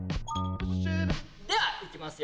ではいきますよ！